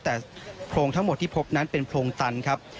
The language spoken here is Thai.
แต่โพรงทั้งหมดที่พบนั้นเป็นโพรงตันครับ